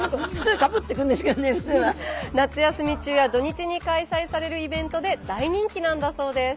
夏休み中や土日に開催されるイベントで大人気なんだそうです。